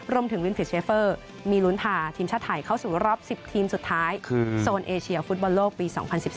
รวมถึงวินฟิตเชฟเฟอร์มีลุ้นพาทีมชาติไทยเข้าสู่รอบ๑๐ทีมสุดท้ายคือโซนเอเชียฟุตบอลโลกปี๒๐๑๒